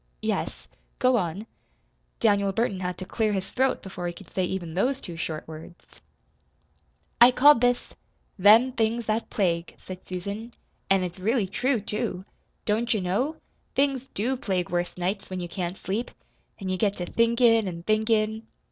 "Yes, go on." Daniel Burton had to clear his throat before he could say even those two short words. "I called this 'Them Things That Plague,'" said Susan. "An' it's really true, too. Don't you know? Things DO plague worse nights, when you can't sleep. An' you get to thinkin' an' thinkin'.